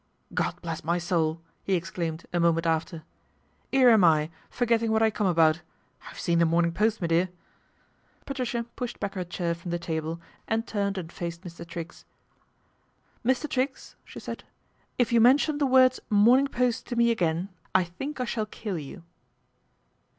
" God bless my soul !" he exclaimed a momem after. ' 'Ere am I, forgetting what I come about. I've seen The Morning Post, me dear." Patricia pushed back her chair from the table and turned and faced Mr. Triggs. " Mr. Triggs," she said, " if you mention the words Morning Post to me again I think I shall kill you."